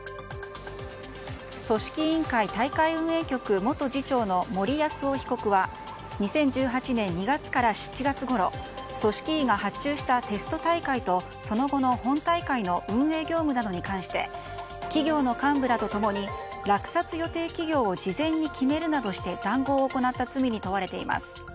組織委員会大会運営局元次長の森泰夫被告は２０１８年２月から７月ごろ組織委が発注したテスト大会とその後の本大会の運営業務などに関して企業の幹部らと共に落札予定企業を事前に決めるなどして談合を行った罪に問われています。